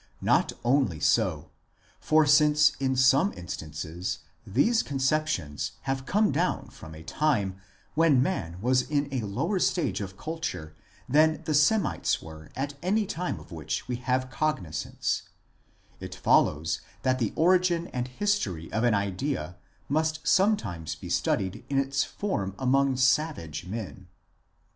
Not only so ; for since in some instances these conceptions have come down from a time when man was in a lower stage of culture than the Semites were at any time of which we have cognisance, it follows that the origin and history of an idea must sometimes be studied in its form among savage men.